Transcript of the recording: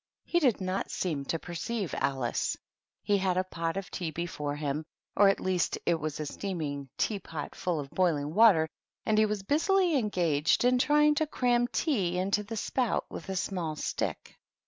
He did not seem to perceive THE TEA TABLE. 03 Alice. He had a pot of tea before him, — or, at least, it was a steaming tea pot full of boiling water, — and he was busily engaged in trying to cram tea into the spout with a small stick.